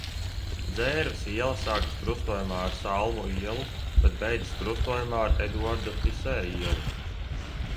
Dzērves iela sākas krustojumā ar Salmu ielu, bet beidzas krustojumā ar Eduarda Tisē ielu.